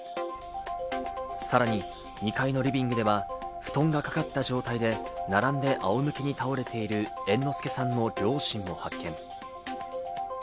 さらに２階のリビングでは布団がかかった状態で、並んであおむけに倒れている猿之助さんの両親も発見。